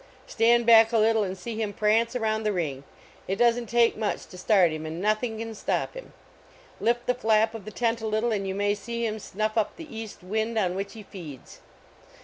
Stand back a little and >ee him prance around the ring; it doesn t take much to start him ami nothing can stop him. Lift the flap of the tent a little and you may see him snuff up the east wind on which he feeds.